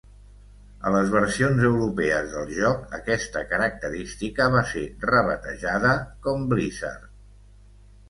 A les versions europees del joc, aquesta característica va ser rebatejada com Blizzard.